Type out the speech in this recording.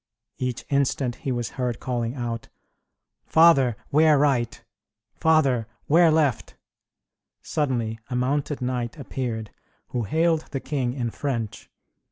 Every instant he was heard calling out, "Father, ware right! Father, ware left!" Suddenly a mounted knight appeared, who hailed the king in French.